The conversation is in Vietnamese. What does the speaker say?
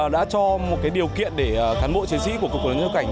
đã cho một điều kiện để cán bộ chiến sĩ của cục quản lý xuất nhập cảnh